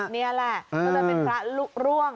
นี่ละโอ๊ยเป็นพระลุ่ง